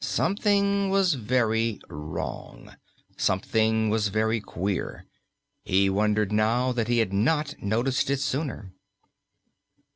Something was very wrong, something was very queer; he wondered now that he had not noticed it sooner.